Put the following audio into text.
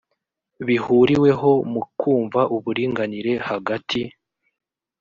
bihuriweho mu kumva uburinganire hagati